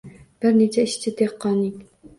Bir necha ishchi-dehqonning